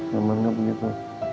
nyaman gak begitu